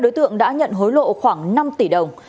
đối tượng đã nhận hối lộ khoảng năm tỷ đồng